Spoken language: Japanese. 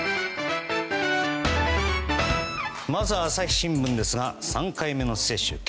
まずは朝日新聞ですが３回目の接種。